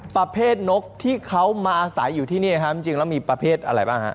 ประเภทนกที่เขามาอาศัยอยู่ที่นี่ครับจริงแล้วมีประเภทอะไรบ้างฮะ